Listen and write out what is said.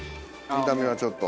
見た目はちょっと。